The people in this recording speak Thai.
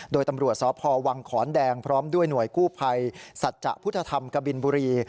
โดยตำรวจสพวังขอนแดงพร้อมด้วยหน่วยกู้ภัยสัจจะพุทธธรรมกบินบุรี